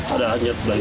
ada anjir bang